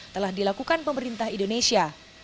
telah dilakukan pemerintah indonesia